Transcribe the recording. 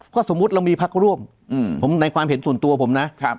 ก็สมมุติเรามีพักร่วมผมในความเห็นส่วนตัวผมนะ